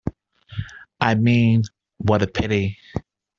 I mean, what a pity!